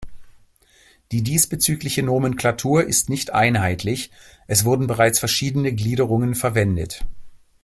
Die diesbezügliche Nomenklatur ist nicht einheitlich, es wurden bereits verschiedene Gliederungen verwendet.